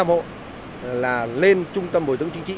bốn mươi năm hộ là lên trung tâm bồi tướng chính trị